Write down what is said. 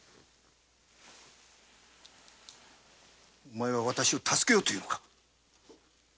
お前はわたしを助けようというのか？